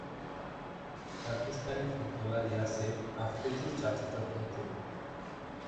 Pakistani footballer Yasir আফ্রিদি’র চাচাতো ভাই তিনি।